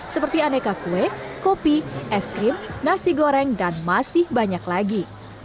seperti aneka kue kopi es krim nasi goreng dan masih banyak lagi